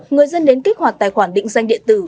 người dân đến kích hoạt tài khoản định danh điện tử